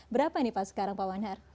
berapa ini pak sekarang pak wanhar